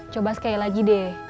coba sekali lagi deh